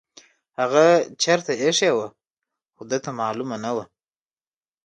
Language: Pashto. هغه چیرته ایښې وه خو ده ته معلومه نه وه.